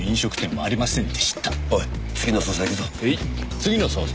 次の捜査。